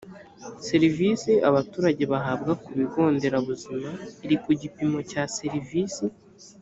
serivisi abaturage bahabwa ku bigo nderabuzima iri ku gipimo cya serivisi